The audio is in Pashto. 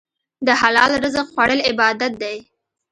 د حلال رزق خوړل عبادت دی.